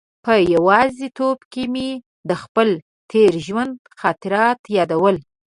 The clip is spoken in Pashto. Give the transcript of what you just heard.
په یوازې توب کې مې د خپل تېر ژوند خاطرات یادول.